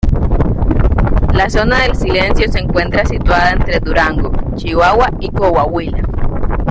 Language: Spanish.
La Zona del Silencio se encuentra situada entre Durango, Chihuahua y Coahuila.